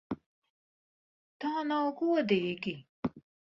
Tā nav godīgi!